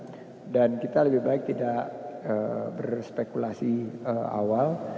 dan itu tim sudah diterjunkan dan kita lebih baik tidak berspekulasi awal